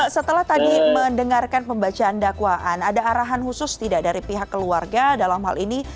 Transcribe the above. setelah tadi mendengarkan pembacaan dakwaan ada arahan khusus tidak dari pihak keluarga dalam hal ini